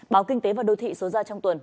báo kinh tế và đô thị số ra trong tuần